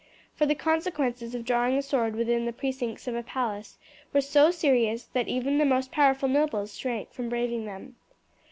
For the consequences of drawing a sword within the precincts of a palace were so serious, that even the most powerful nobles shrank from braving them.